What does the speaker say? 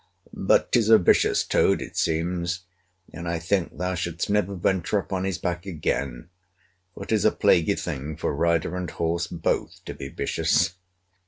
But, 'tis a vicious toad, it seems; and I think thou shouldst never venture upon his back again; for 'tis a plaguy thing for rider and horse both to be vicious.